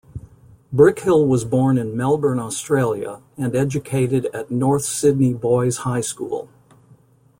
Brickhill was born in Melbourne, Australia and educated at North Sydney Boys High School.